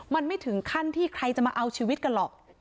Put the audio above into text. มันไม่ถึงขั้นที่ใครจะมาเอาชีวิตกันหรอก